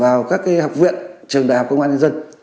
vào các học viện trường đại học công an nhân dân